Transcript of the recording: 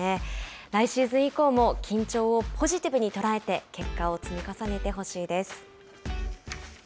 来シーズン以降も緊張をポジティブに捉えて結果を積み重ねてほしいです。